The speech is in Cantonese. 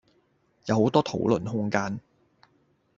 有好多討論空間